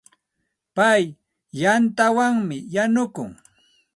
Pay yantawanmi yanukun.